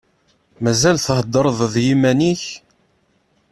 Mazal theddreḍ d yiman-ik?